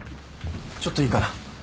ちょっといいかな？